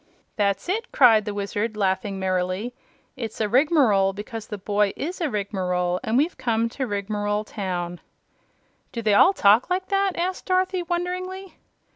"That's it!" said the Wizard, laughing merrily. "It's a rigmarole because the boy is a Rigmarole and we've come to Rigmarole Town." "Do they all talk like that?" asked Dorothy, wonderingly.